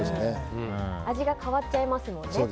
味が変わっちゃいますもんね。